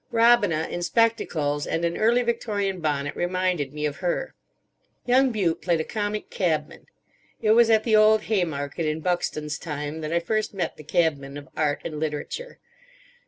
Robina, in spectacles and an early Victorian bonnet, reminded me of her. Young Bute played a comic cabman. It was at the old Haymarket, in Buckstone's time, that I first met the cabman of art and literature.